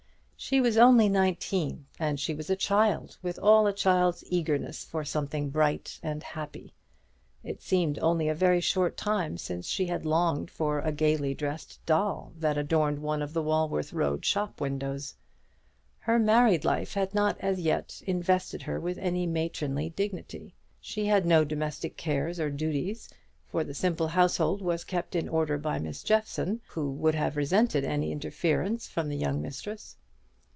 She was only nineteen, and she was a child, with all a child's eagerness for something bright and happy. It seemed only a very short time since she had longed for a gaily dressed doll that adorned one of the Walworth Road shop windows. Her married life had not as yet invested her with any matronly dignity. She had no domestic cares or duties; for the simple household was kept in order by Mrs. Jeffson, who would have resented any interference from the young mistress.